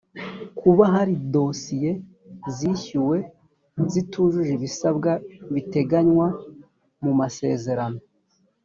kuba hari dosiye zishyuwe zitujuje ibisabwa biteganywa mu masezerano